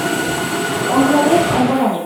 Oncle ric, un bon amic.